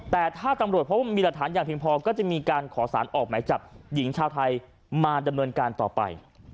แต่ถ้าตำรวจพบว่ามีหลักฐานอย่างเพียงพอก็จะมีการขอสารออกหมายจับหญิงชาวไทยมาดำเนินการต่อไป